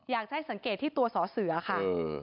อยากจะให้สังเกตที่ตัวสอเสือค่ะ